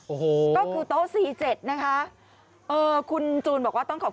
โอ้โหก็คือโต๊ะสี่เจ็ดนะคะเออคุณจูนบอกว่าต้องขอบ